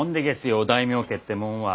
御大名家ってもんは。